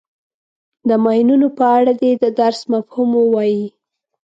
د ماینونو په اړه دې د درس مفهوم ووایي.